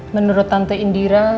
menurut tante indira